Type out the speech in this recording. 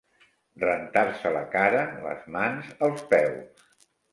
Rentar-se la cara, les mans, els peus.